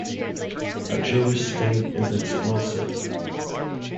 A Jewish state is explosive.